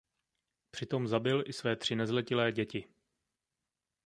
Přitom zabil i své tři nezletilé děti.